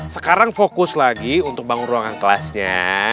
sekarang fokus lagi untuk bangun ruangan kelasnya